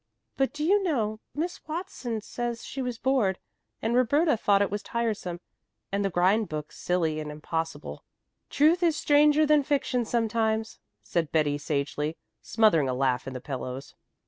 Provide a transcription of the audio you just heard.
But, do you know, Miss Watson says she was bored, and Roberta thought it was tiresome and the grind book silly and impossible." "Truth is stranger than fiction sometimes," said Betty sagely, smothering a laugh in the pillows.